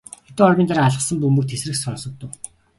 Хэдэн хормын дараа алсхан бөмбөг тэсрэх сонсогдов.